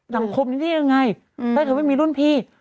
สังคมนี้ได้ยังไงแล้วเธอไม่มีรุ่นพี่